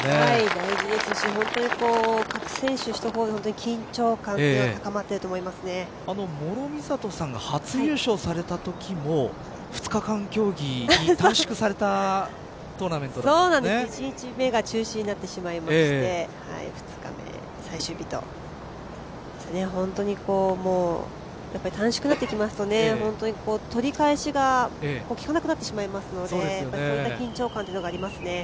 大事ですし、各選手緊張感が諸見里さんが初優勝されたときも２日間競技に短縮された１日目が中止になってしまいまして２日目、最終日と本当に短縮になってきますと取り返しがきかなくなってしまいますのでそういった緊張がありますね。